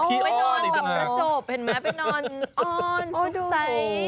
ไปนอนแบบประจบเห็นมั้ยไปนอนอ้อนสุขใส